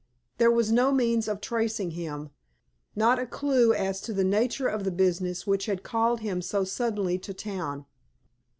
There was no means of tracing him, not a clue as to the nature of the business which had called him so suddenly to town.